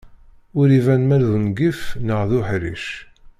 Ur iban ma d ungif neɣ d uḥric.